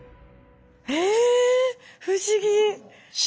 えぇ不思議！